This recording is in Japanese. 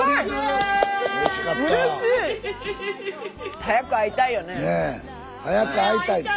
早く会いたいって。